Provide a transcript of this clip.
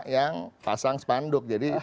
yang pasang spanduk jadi